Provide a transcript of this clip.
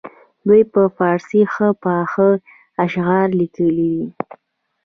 دوی په فارسي ښه پاخه اشعار لیکلي دي.